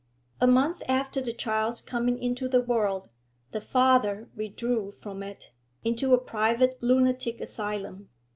A month after the child's coming into the world, the father withdrew from it into a private lunatic asylum.